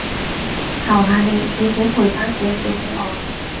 求下你，至少賠返少少畀我